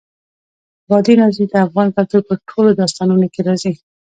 بادي انرژي د افغان کلتور په ټولو داستانونو کې راځي.